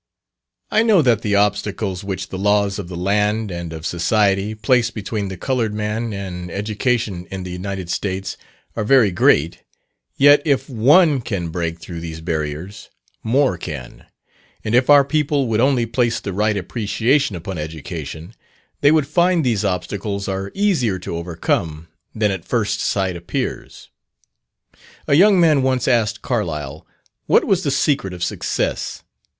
I know that the obstacles which the laws of the land, and of society, place between the coloured man and education in the United States, are very great, yet if one can break through these barriers, more can; and if our people would only place the right appreciation upon education, they would find these obstacles are easier to be overcome than at first sight appears. A young man once asked Carlyle, what was the secret of success.